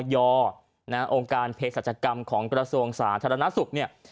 องค์การเพศรัชกรรมของกระทรวงสาธารณสุขเนี่ย